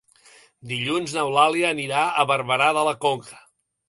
Dilluns n'Eulàlia anirà a Barberà de la Conca.